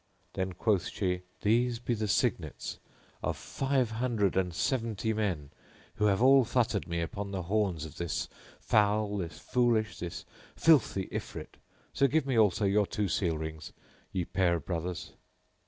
Then quoth she; "These be the signets of five hundred and seventy men who have all futtered me upon the horns of this foul, this foolish, this filthy Ifrit; so give me also your two seal rings, ye pair of brothers."